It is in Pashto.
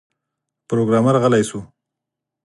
پروګرامر غلی شو